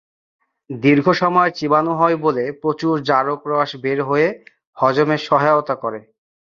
দীর্ঘ সময় চিবানো হয় বলে প্রচুর জারক রস বের হয়ে হজমে সহায়তা করে।